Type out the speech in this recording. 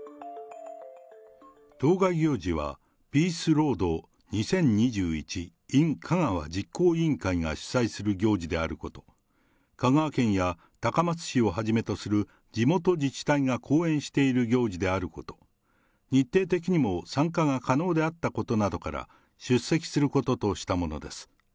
当該行事は、ピースロード２０２１インカガワ実行委員会が主催する行事であること、香川県や高松市をはじめとする地元自治体が後援している行事であること、日程的にも参加が可能であったことなどから、出席することとしたものです。